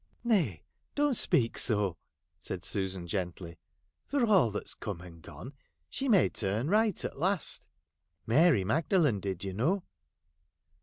'Nay, don't speak so !' said Susan gently, 'for all that's come and gone, she may turn right at last. Mary Magdalen did, you know.'